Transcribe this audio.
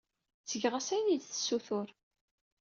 Ttgeɣ-as ayen ay d-tessutur.